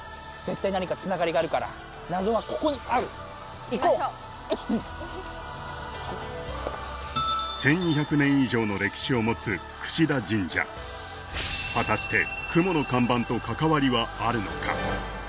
絶対何かつながりがあるから謎はここにある行こう行きましょう１２００年以上の歴史を持つ櫛田神社果たして雲の看板と関わりはあるのか？